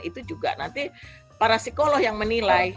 itu juga nanti para psikolog yang menilai